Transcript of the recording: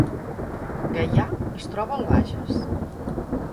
Gaià es troba al Bages